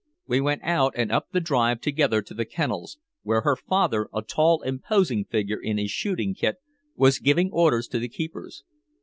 We went out and up the drive together to the kennels, where her father, a tall, imposing figure in his shooting kit, was giving orders to the keepers.